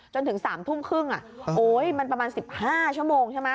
จนถึง๓ทุ่มครึ่งโอ๊ยมันประมาณ๑๕ชั่วโมงใช่ไหม